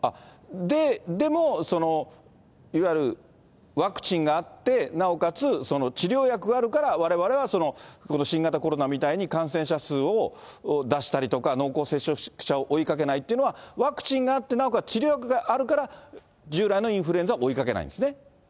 でもそのいわゆるワクチンがあって、なおかつ治療薬があるから、われわれはその、この新型コロナみたいに感染者数を出したりとか濃厚接触者を追いかけないというのは、ワクチンがあって、なおかつ治療薬があるから、従来のインフルエンザは追いかけないんですね。